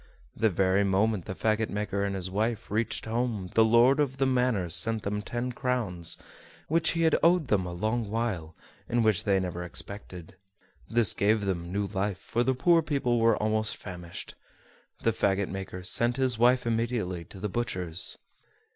The very moment the fagot maker and his wife reached home the lord of the manor sent them ten crowns, which he had owed them a long while, and which they never expected. This gave them new life, for the poor people were almost famished. The fagot maker sent his wife immediately to the butcher's.